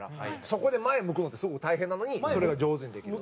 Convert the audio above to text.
そこで前向くのってすごく大変なのにそれが上手にできる。